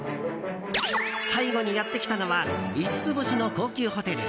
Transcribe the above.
最後にやってきたのは五つ星の高級ホテル